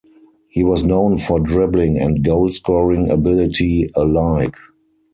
He was known for dribbling and goal-scoring ability alike.